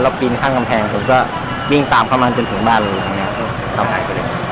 ปีนข้างกำแพงผมก็วิ่งตามเข้ามาจนถึงบ้านหลังเนี้ยเขาหายไปเลย